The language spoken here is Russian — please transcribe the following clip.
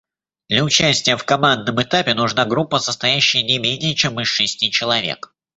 Для участия в командном этапе нужна группа, состоящая не менее, чем из шести человек.